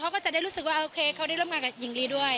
ก็จะได้รู้สึกว่าโอเคเขาได้ร่วมงานกับหญิงลีด้วย